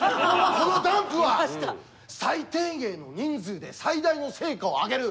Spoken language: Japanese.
このダンプは最低限の人数で最大の成果を上げる。